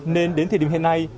nên đến thời điểm hiện nay